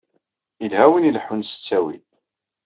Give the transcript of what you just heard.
Yelha win i ilaḥḥun s tawil.